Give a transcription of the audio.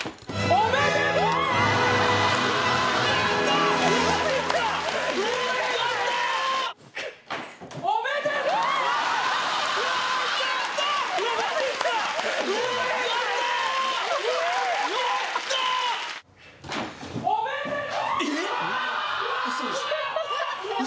おめでとう！